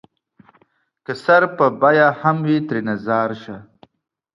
که سر په بيه وي هم ترېنه ځار شــــــــــــــــــه